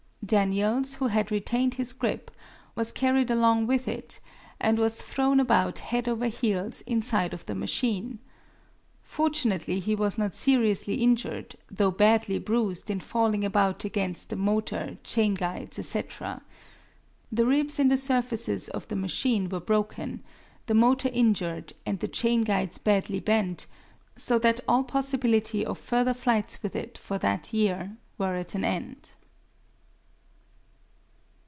Daniels, who had retained his grip, was carried along with it, and was thrown about head over heels inside of the machine. Fortunately he was not seriously injured, though badly bruised in falling about against the motor, chain guides, etc. The ribs in the surfaces of the machine were broken, the motor injured and the chain guides badly bent, so that all possibility of further flights with it for that year were at an end.